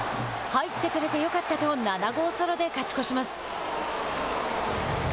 入ってくれてよかったと７号ソロで勝ち越します。